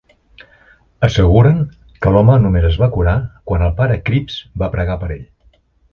Asseguren que l'home només es va curar quan el pare Cripps va pregar per ell.